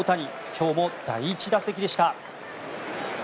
今日も第１打席でした。